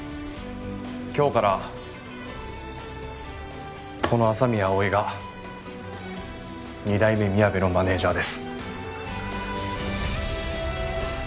今日からこの麻宮葵が二代目みやべのマネージャーです。